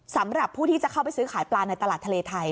สำหรับผู้ที่จะเข้าไปซื้อขายปลาในตลาดทะเลไทย